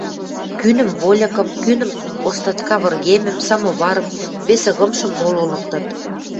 Кӱнӹм вольыкым, кӱнӹм остатка выргемӹм, самоварым, весӹ-кымшым моло лыктыт.